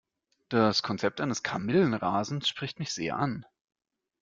Das Konzept eines Kamillenrasens spricht mich sehr an.